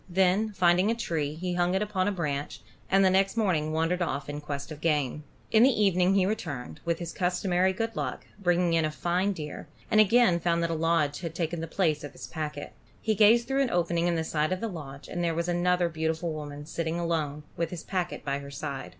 Then finding a tree, he hung it upon a branch, and the next morning again wandered off in quest of game. In the evening he returned, with his customary good luck, bringing in a fine deer, and again found that a lodge had taken the place of his packet. He gazed through an opening in the side of the lodge, and there was another beautiful woman sitting alone, with his packet by her side.